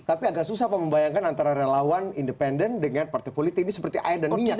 tapi agak susah pak membayangkan antara relawan independen dengan partai politik ini seperti air dan minyak